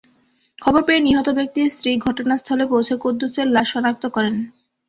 খবর পেয়ে নিহত ব্যক্তির স্ত্রী ঘটনাস্থলে পৌঁছে কুদ্দুছের লাশ শনাক্ত করেন।